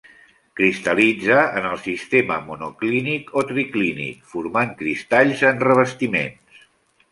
Cristal·litza en el sistema monoclínic o triclínic, formant cristalls, en revestiments.